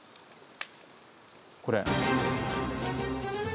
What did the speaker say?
これ。